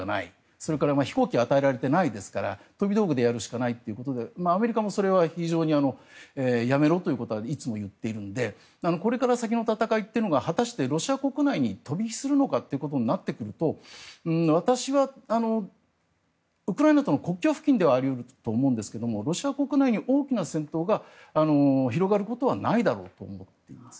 それから飛行機与えられていないですから飛び道具でやるしかないということでアメリカも、それは非常にやめろということはいつも言っているのでこれから先の戦いというのが果たして、ロシア国内に飛び火するのかということになってくると私はウクライナとの国境付近ではあり得ると思うんですがロシア国内に大きな戦闘が広がることはないだろうと思っています。